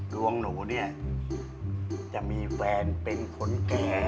ดวงหนูเนี่ยจะมีแฟนเป็นคนแก่